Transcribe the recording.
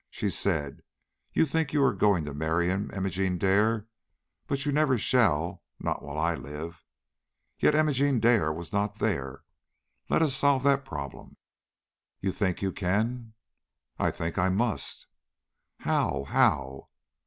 She said: 'You think you are going to marry him, Imogene Dare; but you never shall, not while I live.' Yet Imogene Dare was not there. Let us solve that problem." "You think you can?" "I think I must." "How? how?"